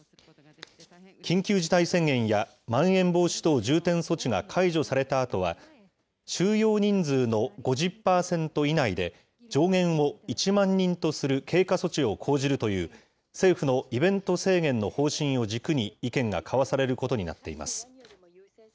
緊急事態宣言や、まん延防止等重点措置が解除されたあとは、収容人数の５０％以内で、上限を１万人とする経過措置を講じるという、政府のイベント制限の方針を軸に意見が交わされることになっています。